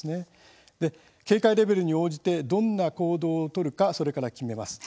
警戒レベルに応じてどんな行動を取るかそれから決めます。